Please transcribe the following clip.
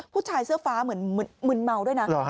ผู้ชายเสื้อฟ้าเหมือนมึนเมาด้วยนะ